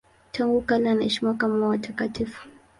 Tangu kale anaheshimiwa kama watakatifu.